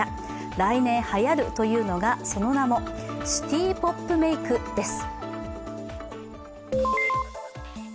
来年、はやるというのがその名もシティポップメイクです。